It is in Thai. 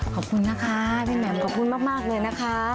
ขอบคุณนะคะพี่แหม่มขอบคุณมากเลยนะคะ